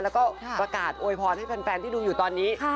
แล้วก็ประกาศโวยพรให้แฟนที่ดูอยู่ตอนนี้